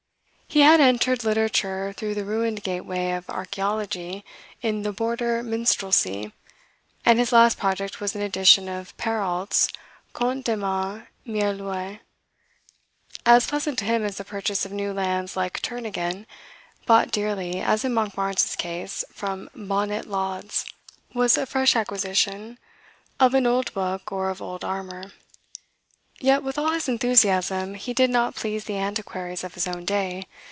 He had entered literature through the ruined gateway of archleology, in the "Border Minstrelsy," and his last project was an edition of Perrault's "Contes de Ma Mere l'Oie." As pleasant to him as the purchase of new lands like Turn Again, bought dearly, as in Monkbarns's case, from "bonnet lauds," was a fresh acquisition of an old book or of old armour. Yet, with all his enthusiasm, he did not please the antiquaries of his own day.